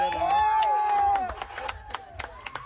โดนพ่อผิวน้ำเมลานี้๑๙๐๓